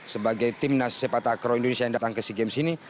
sebagai tim nasi sepatah akro indonesia yang datang ke si game sini